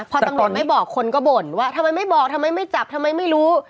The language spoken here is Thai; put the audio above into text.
พอตำรวจไม่บอกคนก็บ่นว่าทำไมไม่บอกทำไมไม่จับทำไมไม่รู้